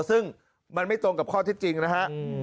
ซึ่งมันไม่ตรงกับข้อเท็จจริงนะฮะ